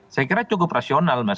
saya kira cukup rasional mas